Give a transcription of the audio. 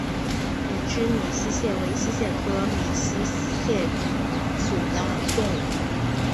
鼻肢闽溪蟹为溪蟹科闽溪蟹属的动物。